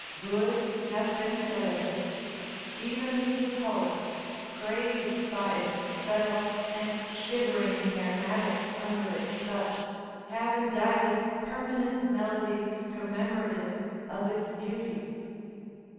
Good has been said of it; even the poets, crazed by its spell and shivering in their attics under its touch, have indited permanent melodies commemorative of its beauty.